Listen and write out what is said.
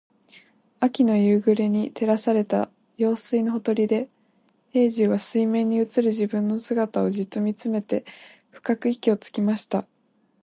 秋の夕暮れに照らされた用水のほとりで、兵十は水面に映る自分の姿をじっと見つめて深く息をつきました。